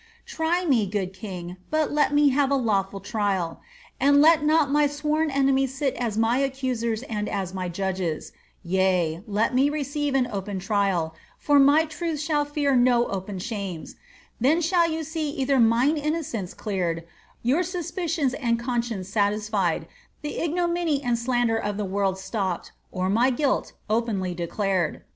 *Try me, good king, but let me have a lawful trial, and let not my sworn enemies nt as my accusers and as my judges ; yea, let me receive an open trial, Sot my truth shall fear no open shames ; then shall you see either mine inno cency cleared, your suspicions and conscience satisfied, the ignominy and slander of the world stopped, or my guilt openly declared.